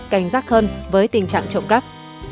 cảnh giác hơn với tình trạng trộm cắp